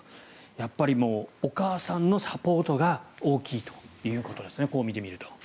やっぱりお母さんのサポートが大きいということですねこう見てみると。